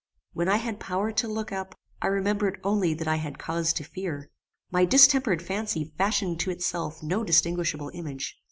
When I had power to look up, I remembered only that I had cause to fear. My distempered fancy fashioned to itself no distinguishable image.